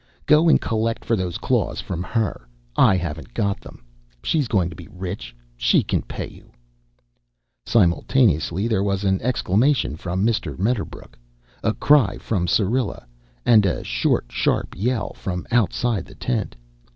Go and collect for those claws from her. I haven't got them. She's going to be rich; she can pay you!" Simultaneously there was an exclamation from Mr. Medderbrook, a cry from Syrilla, and a short, sharp yell from outside the tent.